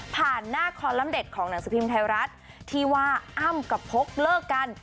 ผ่านหน้าคอนล้ำเด็ดของหนังสภิมธรรมไทยรัฐที่ว่าอ้ำกับพกเลิกกัน